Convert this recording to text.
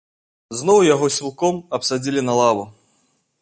Зноў яго сілком абсадзілі на лаву.